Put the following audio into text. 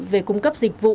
về cung cấp dịch vụ